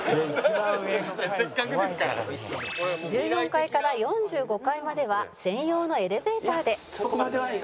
「１４階から４５階までは専用のエレベーターで」